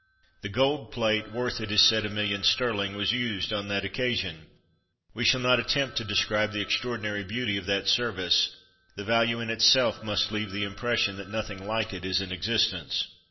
The gold plate worth, it is said, a million sterling was used on that occasion. We shall not attempt to describe the extraordinary beauty of that service: the value in itself must leave the impression that nothing like it is in existence.